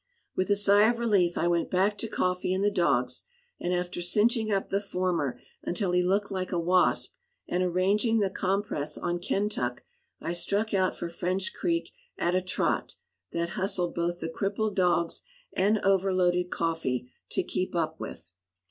With a sigh of relief I went back to "Coffee" and the dogs, and after cinching up the former until he looked like a wasp, and arranging the compress on Kentuck, I struck out for French Creek at a trot that hustled both the crippled dogs and overloaded "Coffee" to keep up with.